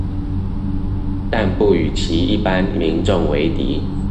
但不與其一般民眾為敵